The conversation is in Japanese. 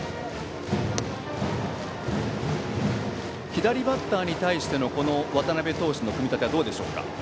左バッターに対してのこの渡辺投手の組み立てはどうでしょうか。